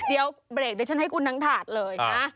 เดี๋ยวเบรคเดชั่นให้คุณน้ำถาดเลยนะ